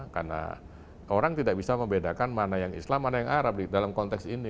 karena orang tidak bisa membedakan mana yang islam mana yang arab di dalam konteks ini